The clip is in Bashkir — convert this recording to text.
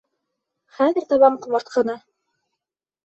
Хәҙер табам ҡомартҡыны!